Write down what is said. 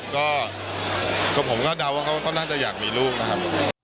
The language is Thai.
ก็ผมก็เดาว่าเขาก็น่าจะอยากมีลูกนะครับ